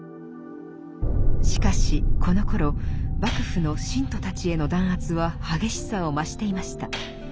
しかしこのころ幕府の信徒たちへの弾圧は激しさを増していました。